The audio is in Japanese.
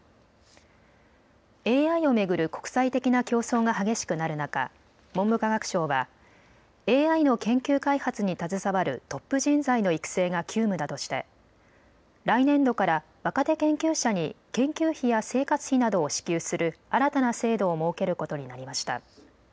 ＡＩを巡る国際的な競争が激しくなる中、文部科学省はＡＩの研究開発に携わるトップ人材の育成が急務だとして来年度から若手研究者に研究費や生活費などを支給する新たな制度を設けることになりました。